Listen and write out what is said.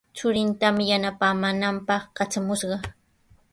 Churintami yanapaamaananpaq katramushqa.